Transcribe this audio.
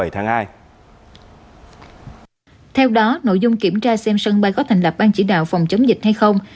theo đó nội dung kiểm tra xem sân bay có thành lập ban chỉ đạo phòng chống dịch hay không